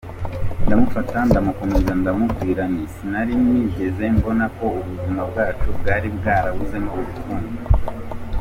Ndamufata ndamukomeza ndamubwira nti“sinari nigeze mbona ko ubuzima bwacu bwari bwarabuzemo urukundo.